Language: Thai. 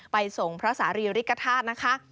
ไปส่งพระสาริริกษาธาตุนะคะ